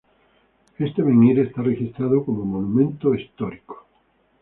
Este menhir está registrado como Monumento Histórico.